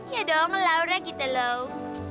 ya doang laura gitu loh